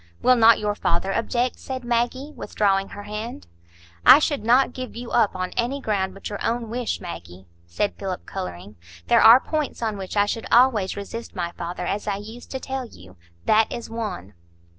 "Will not your father object?" said Maggie, withdrawing her hand. "I should not give you up on any ground but your own wish, Maggie," said Philip, colouring. "There are points on which I should always resist my father, as I used to tell you. That is one."